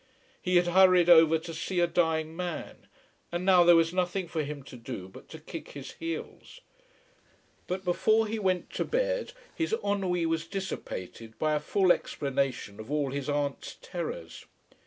He had hurried over to see a dying man, and now there was nothing for him to do but to kick his heels. But before he went to bed his ennui was dissipated by a full explanation of all his aunt's terrors.